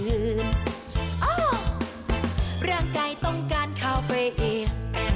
เรื่องใกล้ต้องการคาวเฟย์อีน